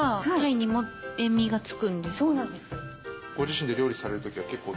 そうなんです。